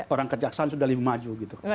orang kejaksaan sudah lebih maju gitu